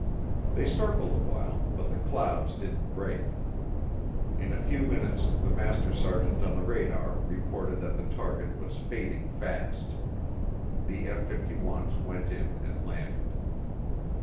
They circled awhile but the clouds didn't break. In a few minutes the master sergeant on the radar reported that the target was fading fast. The F 51's went in and landed.